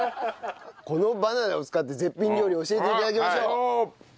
このバナナを使って絶品料理を教えて頂きましょう。